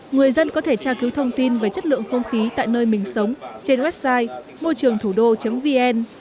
người dân có thể tra cứu thông tin về chất lượng không khí tại nơi mình sống trên website môi trườngthủđô vn